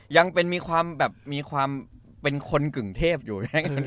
ยังเป็นมีความเป็นคนกึ่งเทพอยู่